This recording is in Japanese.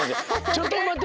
ちょっとまって！